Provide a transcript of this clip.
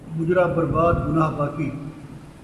مجرا برباد ، گناہ باقی